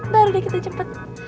baru deh kita cepet